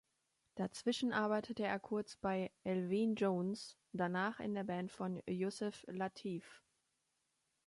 Dazwischen arbeitete er kurz bei Elvin Jones, danach in der Band von Yusef Lateef.